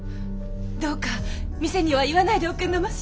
どうか見世には言わないでおくんなまし。